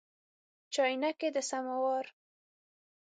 چاینکي د سماوار